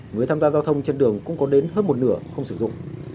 người tham gia giao thông trên đường cũng có đến hơn một nửa không sử dụng